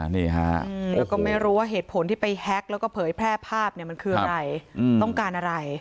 นี่ฮะแล้วก็ไม่รู้ว่าเหตุผลที่ไปแฮ็กแล้วก็เผยแพร่ภาพมันคืออะไรต้องการอะไร